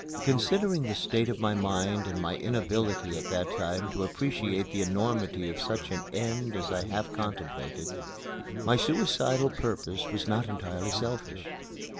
Considering the state of my mind and my inability at that time to appreciate the enormity of such an end as I half contemplated, my suicidal purpose was not entirely selfish.